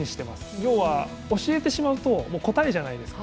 要は、教えてしまうと答えじゃないですか。